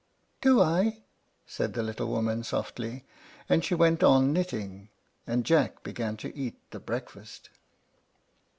"Do I?" said the little woman, softly; and she went on knitting, and Jack began to eat the breakfast.